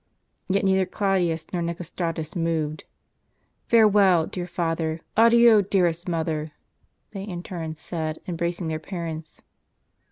Yet neither Claudius nor Nicostratus moved. "Farewell, dear father; adieu, dearest mother," they in turn said, embracing their parents.